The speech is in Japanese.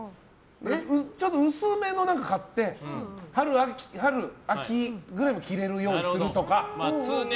ちょっと薄めのやつを買って春、秋ぐらいも着れるようにするとか。